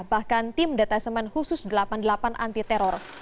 bahkan tim detesemen khusus delapan puluh delapan anti teror